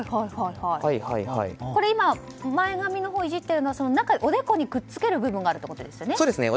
これ今、前髪のほういじっているのはおでこにくっつける部分があるということですよね。